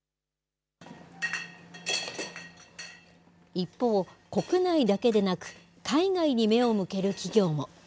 一方、国内だけでなく、海外に目を向ける企業も。